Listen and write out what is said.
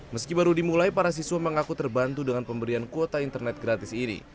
meski baru dimulai para siswa mengaku terbantu dengan pemberian kuota internet gratis ini